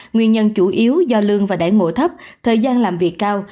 nguyên nhân chủ yếu do lương và đẩy ngộ thấp thời gian làm việc cao